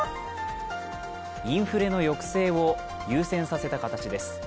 インフレの抑制を優先させた形です。